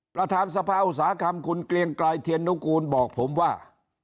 ประธานสภาอุตสาหกรรมคุณเกลียงไกรเทียนนุกูลบอกผมว่า